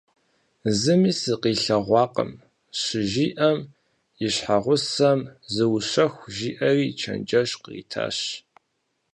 Зыми сыкъилъэгъуакъым, щыжиӀэм, и щхьэгъусэм: - Зыущэху, – жиӀэри чэнджэщ къритащ.